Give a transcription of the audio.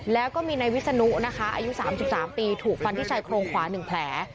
แล้วก็มีนายวิศนุนะคะอายุ๓๓ปีถูกฟันที่ชายโครงขวา๑แผล